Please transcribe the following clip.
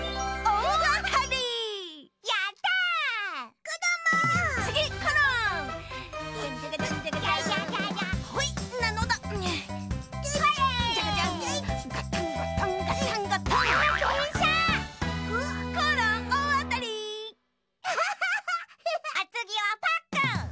おつぎはパックン！